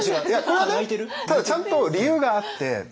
これはねただちゃんと理由があって。